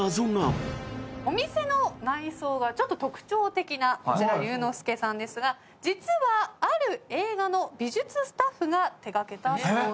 お店の内装がちょっと特徴的なこちら「竜ノ介」さんですが実はある映画の美術スタッフが手掛けたそうなんです。